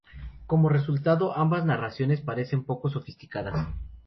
Como resultado, ambas narraciones parecen poco sofisticadas.